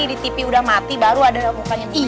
di tv udah mati baru ada mukanya bu missy